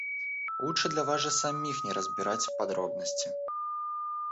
Лучше для вас же самих не разбирать в подробности.